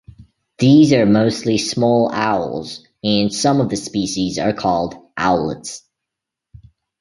These are mostly small owls, and some of the species are called "owlets".